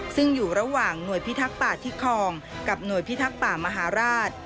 ซึ่งอยู่ระหว่างหน่วยพิทักษ์ป่าที่คองกับหน่วยพิทักษ์ป่ามหาราช